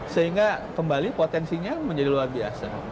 sehingga kembali potensinya menjadi luar biasa